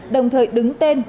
đồng thời đứng tên